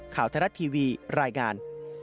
ข่าวทะเลาะทีวีรายงาน